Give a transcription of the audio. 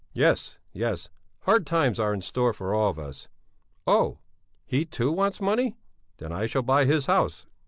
Yes, yes hard times are in store for all of us. Oh! He, too, wants money? Then I shall buy his house...."